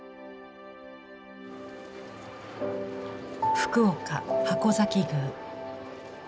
福岡筥崎宮。